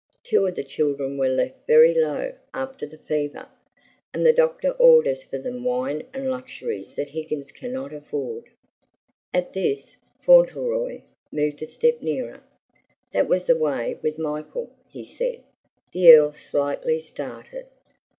Two of the children were left very low after the fever, and the doctor orders for them wine and luxuries that Higgins can not afford." At this Fauntleroy moved a step nearer. "That was the way with Michael," he said. The Earl slightly started.